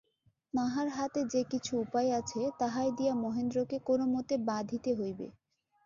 তাঁহার হাতে যে কিছু উপায় আছে, তাহাই দিয়া মহেন্দ্রকে কোনোমতে বাঁধিতেই হইবে।